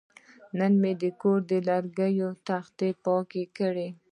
نن مې د کور د لرګي تختې پاکې کړې.